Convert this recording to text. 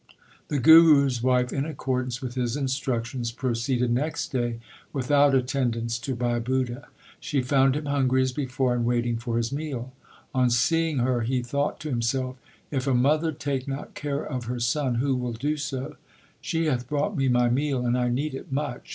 The Guru s wife, in accordance with his instruc 1 Asa Chhant. 32 THE SIKH RELIGION tions, proceeded next day without attendants to Bhai Budha. She found him hungry as before and waiting for his meal. On seeing her he thought to himself : If a mother take not care of her son, who will do so ? She hath brought me my meal, and I need it much.